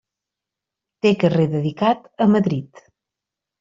Té carrer dedicat a Madrid.